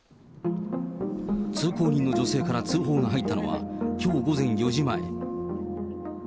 通行人の女性から通報が入ったのはきょう午前４時前。